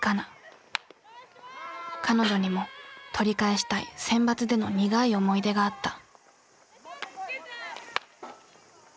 彼女にも取り返したい選抜での苦い思い出があった。